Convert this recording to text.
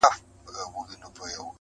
زموږه مرديت لکه عادت له مينې ژاړي_